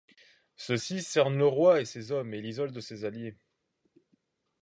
Ceux-ci cernent le roi et ses hommes et l'isolent de ses alliés.